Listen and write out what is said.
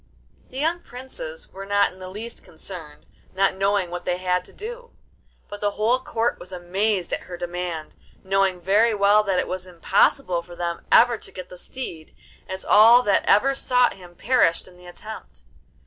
The young Princes were not in the least concerned, not knowing what they had to do; but the whole Court was amazed at her demand, knowing very well that it was impossible for them ever to get the steed, as all that ever sought him perished in the attempt.